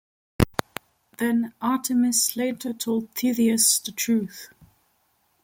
Then Artemis later told Theseus the truth.